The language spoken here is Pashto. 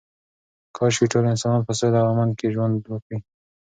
کاشکې ټول انسانان په سوله او امن کې ژوند وکړي.